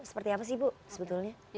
seperti apa sih bu sebetulnya